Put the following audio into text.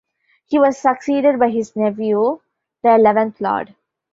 He was succeeded by his nephew, the eleventh Lord.